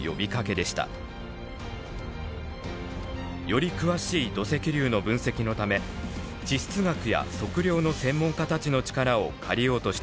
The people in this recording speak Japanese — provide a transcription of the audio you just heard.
より詳しい土石流の分析のため地質学や測量の専門家たちの力を借りようとしたのです。